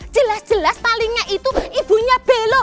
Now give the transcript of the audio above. jelas jelas malingnya itu ibunya belo